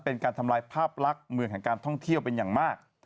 เป็นการทำลายภาพลักษณ์เมืองแห่งการท่องเที่ยวเป็นอย่างมาก